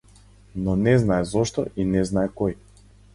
Но не знае зошто, и не знае кој.